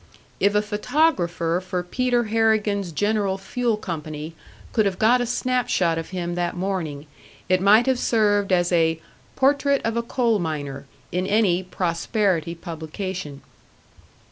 If a photographer for Peter Harrigan's General Fuel Company could have got a snap shot of him that morning, it might have served as a "portrait of a coal miner" in any "prosperity" publication.